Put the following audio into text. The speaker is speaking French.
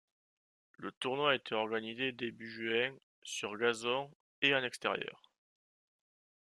Le tournoi était organisé début juin, sur gazon et en extérieur.